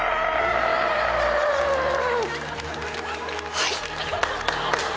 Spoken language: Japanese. はい。